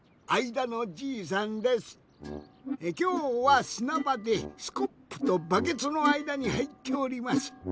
きょうはすなばでスコップとバケツのあいだにはいっております。